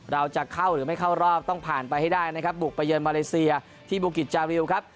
เราจะเข้าหรือไม่เข้ารอบต้องผ่านไปให้ได้นะครับบุกไปเยินมาเลเซียที่บุกิจจาริวครับ